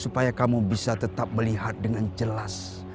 supaya kamu bisa tetap melihat dengan jelas